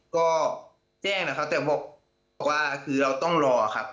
ก็แจ้งนะครับแต่บอกว่าคือเราต้องรอครับ